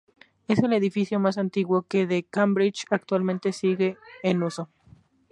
Es el edificio más antiguo que de Cambridge actualmente sigue en uso.